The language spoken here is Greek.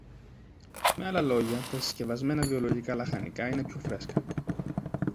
Με άλλα λόγια, τα συσκευασμένα βιολογικά λαχανικά είναι πιο φρέσκα